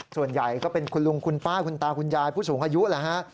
ส่วนใหญ่ก็เป็นคุณลุงคุณป้าคุณตาคุณยายผู้สูงอายุแหละฮะ